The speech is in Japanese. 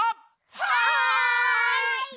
はい！